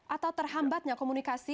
atau terhambatnya komunikasi